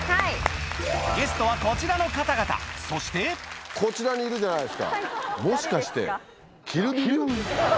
ゲストはこちらの方々そしてこちらにいるじゃないですかもしかして？